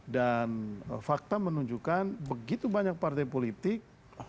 dan fakta menunjukkan begitu banyak partai politik